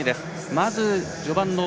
まず序盤の。